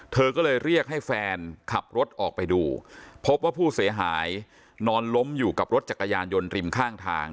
เธอก็เลยเรียกให้แฟนขับรถออกไปดูพบว่าผู้เสียหายนอนล้มอยู่กับรถจักรยานยนต์ริมข้างทาง